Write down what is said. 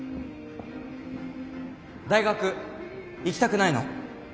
大学行きたくないの？